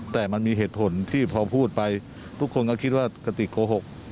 แต่มันมีเหตุผลที่พอพูดไปทุกคนก็คิดว่ากระติกโกหก